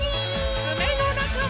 つめのなかも。